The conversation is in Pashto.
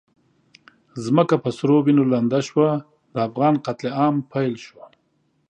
ځمکه په سرو وینو لنده شوه، د افغان قتل عام پیل شو.